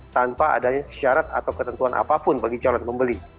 tanpa adanya syarat atau ketentuan apapun bagi calon pembeli